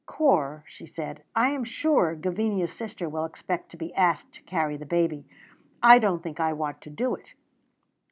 "Corp," she said, "I am sure Gavinia's sister will expect to be asked to carry the baby. I don't think I want to do it."